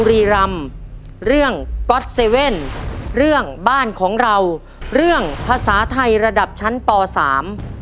เรื่องบ้านของเราเรื่องภาษาไทยระดับชั้นป่อสาม